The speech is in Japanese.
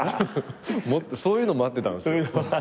そういうの待ってたんですよ。